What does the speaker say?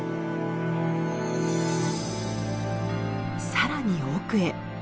更に奥へ。